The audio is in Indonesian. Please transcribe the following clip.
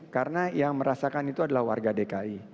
karena yang merasakan itu adalah warga dki